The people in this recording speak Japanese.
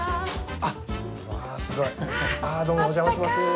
ああどうもお邪魔します。